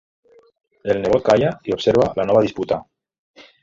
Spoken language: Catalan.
El nebot calla i observa la nova disputa.